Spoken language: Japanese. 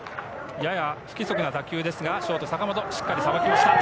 やや不規則な打球ですが、ショート・坂本、しっかりさばきました。